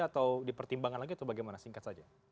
atau dipertimbangkan lagi atau bagaimana singkat saja